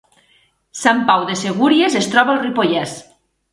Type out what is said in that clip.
Sant Pau de Segúries es troba al Ripollès